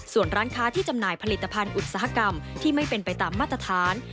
ส่วนร้านค้าที่จำหน่ายผลิตภัณฑ์อุตสาหกรรมที่ไม่เป็นไปตามมาตรฐาน